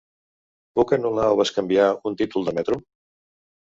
Puc anul·lar o bescanviar un títol de metro?